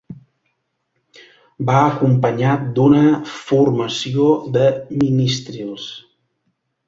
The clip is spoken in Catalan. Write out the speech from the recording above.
Va acompanyat d'una formació de ministrils.